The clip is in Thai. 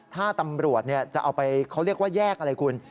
ถ้าตำรวจจะเอาไปเขาเรียกว่าแยกอะไรคุณ